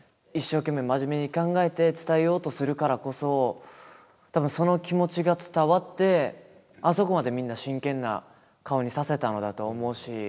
一生懸命真面目に考えて伝えようとするからこそ多分その気持ちが伝わってあそこまでみんな真剣な顔にさせたのだと思うし。